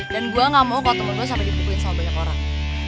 dan gua gak mau kalo temen gua sampe dibukuin sama banyak orang